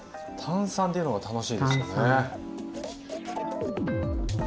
炭酸というのが楽しいですよね。